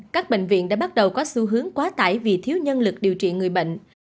các bệnh viện đã bắt đầu có xu hướng quá tải vì thiếu nhân lực điều trị người bệnh